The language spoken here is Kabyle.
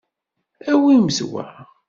Awimt wa.